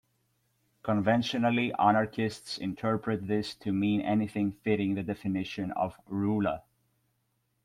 Conventionally, anarchists interpret this to mean anything fitting the definition of "ruler".